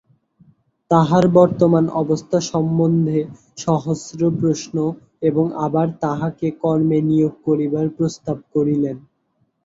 তাহার বর্তমান অবস্থা সম্বন্ধে সহস্র প্রশ্ন এবং আবার তাহাকে কর্মে নিয়োগ করিবার প্রস্তাব করিলেন।